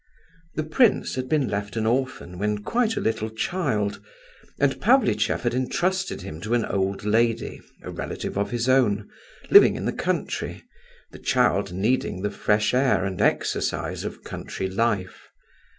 The prince had been left an orphan when quite a little child, and Pavlicheff had entrusted him to an old lady, a relative of his own, living in the country, the child needing the fresh air and exercise of country life.